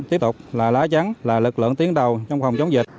tiếp tục là lá chắn là lực lượng tiến đầu trong phòng chống dịch